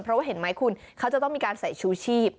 เพราะว่าเห็นไหมคุณเขาจะต้องมีการใส่ชูชีพ